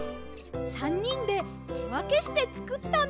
３にんでてわけしてつくったんです。